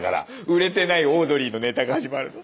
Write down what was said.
売れてないオードリーのネタが始まるの。